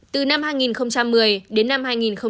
từ năm hai nghìn một mươi đến năm hai nghìn một mươi bảy